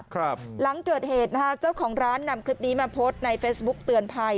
หลังเกิดเหตุนะฮะเจ้าของร้านนำคลิปนี้มาโพสต์ในเฟซบุ๊กเตือนภัย